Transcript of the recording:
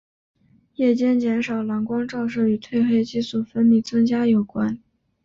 夜间减少蓝光照射与褪黑激素分泌增加有关。